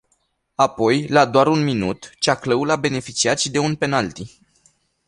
Apoi, la doar un minut, Ceahlăul a beneficiat și de un penalty.